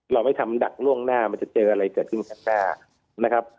เราไม่ทำดักล่วงหน้ามันจะเจออะไรเกิดขึ้นข้างหน้านะครับ